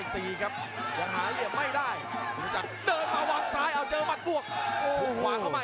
ประเภทมัยยังอย่างปักส่วนขวา